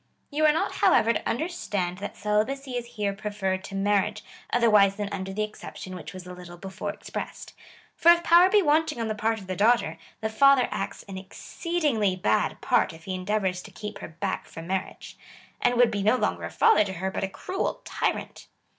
You are not, however, to understand that celibacy is here preferred to marriage, otherwise than under the exception which was a little before expressed. For if power be wanting on the part of the daughter,'* the father acts an exceedingly bad part if he endeavours to keep her back from marriage, and would be no longer a father to her, but a cruel tyrant.